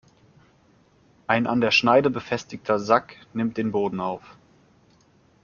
Ein an der Schneide befestigter Sack nimmt den Boden auf.